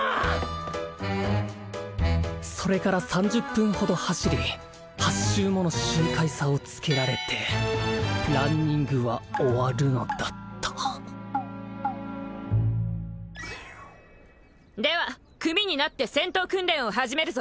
それから３０分ほど走り８周もの周回差をつけられてランニングは終わるのだったでは組になって戦闘訓練を始めるぞ！